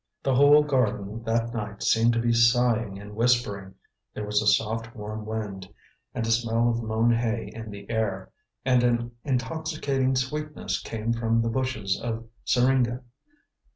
The whole garden that night seemed to be sighing and whispering; there was a soft warm wind, and a smell of mown hay in the air, and an intoxicating sweetness came from the bushes of syringa.